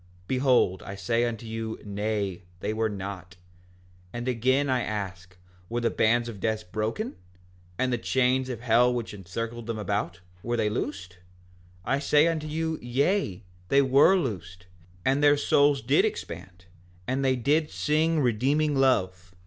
Behold, I say unto you, Nay, they were not. 5:9 And again I ask, were the bands of death broken, and the chains of hell which encircled them about, were they loosed? I say unto you, Yea, they were loosed, and their souls did expand, and they did sing redeeming love.